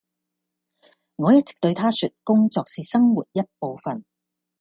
我一直對她說工作是生活一部分